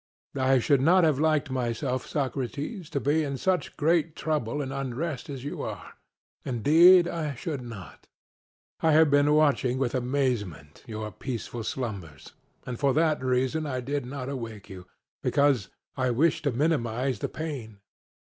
CRITO: I should not have liked myself, Socrates, to be in such great trouble and unrest as you are indeed I should not: I have been watching with amazement your peaceful slumbers; and for that reason I did not awake you, because I wished to minimize the pain.